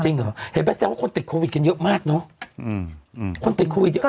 จริงเหรอเห็นไหมแซมว่าคนติดโควิดกันเยอะมากเนอะ